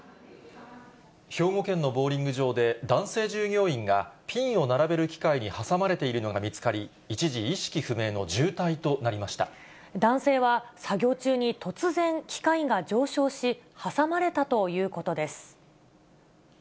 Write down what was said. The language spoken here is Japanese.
兵庫県のボウリング場で、男性従業員がピンを並べる機械に挟まれているのが見つかり、男性は、作業中に突然、機械が上昇し、挟まれたということです。